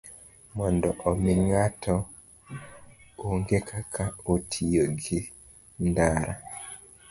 Mondo omi ng'ato ong'e kaka otiyo gi ndara,